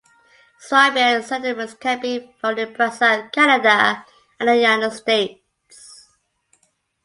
Swabian settlements can be found in Brazil, Canada, and the United States.